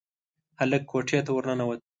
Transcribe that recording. هلک کوټې ته ورننوت.